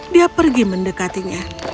dia pergi mendekatinya